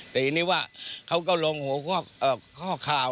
แต่ทีนี้ว่าเขาก็ลงหัวข้อข่าว